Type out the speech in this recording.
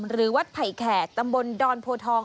หรือวัดไผ่แขกตำบลดอนโพทอง